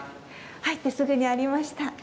入ってすぐにありました。